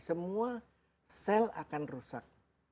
semua sel akan rusak